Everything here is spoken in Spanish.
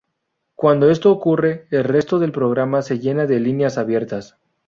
Cuando esto ocurre, el resto del programa se llena de líneas abiertas.